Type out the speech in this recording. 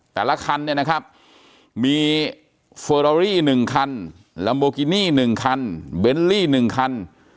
แต่ละคันเนี่ยนะครับมีเฟอรารี่๑คันลัมโบกินี่๑คันเบลลี่๑คัน